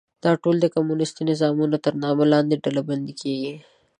دا ټول د کمونیستي نظامونو تر نامه لاندې ډلبندي کېږي.